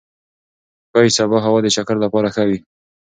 ښايي سبا هوا د چکر لپاره ښه وي.